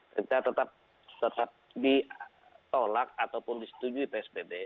kita tetap ditolak ataupun disetujui psbb